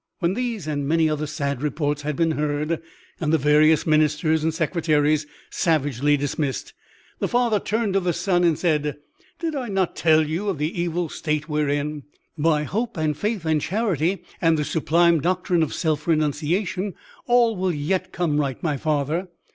When these and many other sad reports had been heard, and the various ministers and secretaries savagely dismissed, the father turned to the son and said: "Did I not tell you of the evil state we are in?" "By hope and faith and charity, and the sublime doctrine of self renunciation, all will yet come right, my father."